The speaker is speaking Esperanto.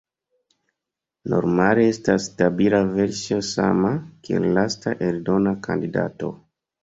Normale estas stabila versio sama kiel lasta eldona kandidato.